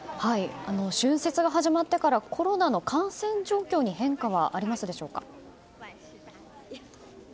春節が始まってからコロナの感染状況に変化はありましたでしょうか。